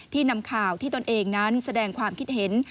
นำข่าวที่ตนเองนั้นแสดงความคิดเห็น